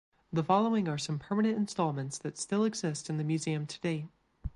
The following are some permanent installments that still exist in the museum to date.